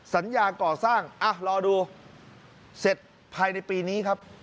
สัญญาก่อสร้างรอดูเสร็จภายในปีนี้ครับ